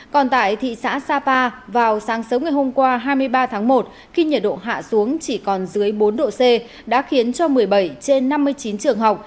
còn tại thị xã sapa vào sáng sớm ngày hôm qua hai mươi ba tháng một khi nhiệt độ hạ xuống chỉ còn dưới bốn độ c đã khiến cho một mươi bảy trên năm mươi chín trường học